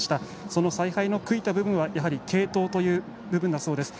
その采配の悔いた部分はやはり継投という部分だそうです。